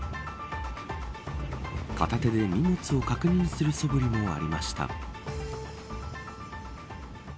片手で荷物を確認するそぶりもありました。